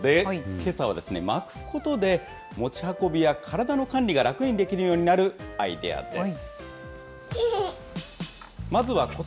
けさは、巻くことで持ち運びや体の管理が楽にできるようになるアイデアです。